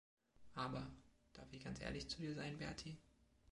Aber – darf ich ganz ehrlich zu dir sein, Bertie?